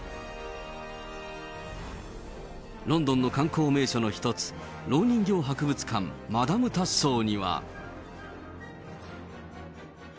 ロンドンの観光名所の一つ、ろう人形博物館、マダム・タッソーには。